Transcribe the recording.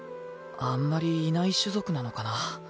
あんまりいない種族なのかな。